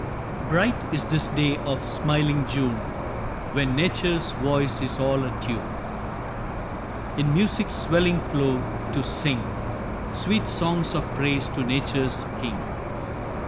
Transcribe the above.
Bright is this day of smiling June, When nature's voice is all atune In music's swelling flow, to sing Sweet songs of praise to nature's king.